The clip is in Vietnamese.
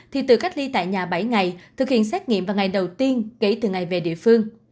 thì tự cách ly tại nhà bảy ngày thực hiện xét nghiệm vào ngày đầu tiên kể từ ngày về địa phương